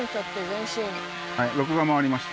録画回りました。